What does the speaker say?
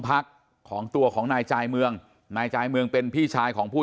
พักของตัวของนายจายเมืองนายจายเมืองเป็นพี่ชายของผู้